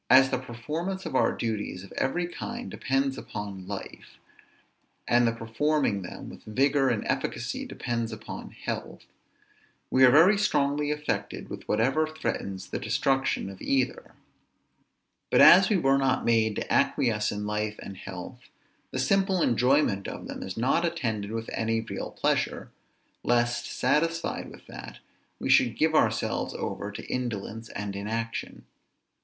As the performance of our duties of every kind depends upon life, and the performing them with vigor and efficacy depends upon health, we are very strongly affected with whatever threatens the destruction of either: but as we were not made to acquiesce in life and health, the simple enjoyment of them is not attended with any real pleasure, lest, satisfied with that, we should give ourselves over to indolence and inaction.